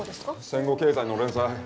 戦後経済の連載。